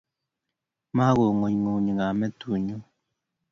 Mago ng`ungunyi kamentunyu